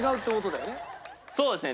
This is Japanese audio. そうですね